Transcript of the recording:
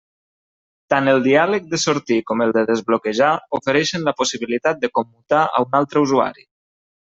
Tant el diàleg de sortir com el de desbloquejar ofereixen la possibilitat de commutar a un altre usuari.